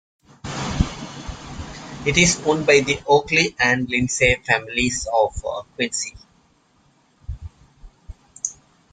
It is owned by the Oakley and Lindsay families of Quincy.